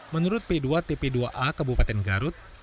menurut p dua tp dua a kabupaten garut